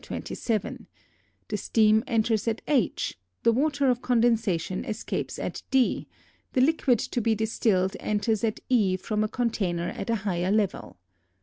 27; the steam enters at h, the water of condensation escapes at d, the liquid to be distilled enters at e from a container at a higher level.